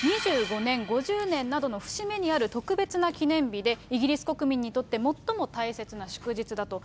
２５年、５０年などの節目にある特別な記念日で、イギリス国民にとって最も大切な祝日だと。